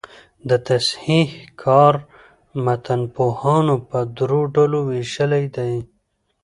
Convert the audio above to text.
د تصحیح کار متنپوهانو په درو ډلو ویشلی دﺉ.